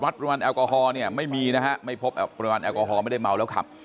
ปริมาณแอลกอฮอลเนี่ยไม่มีนะฮะไม่พบปริมาณแอลกอฮอลไม่ได้เมาแล้วขับ